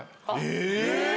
え！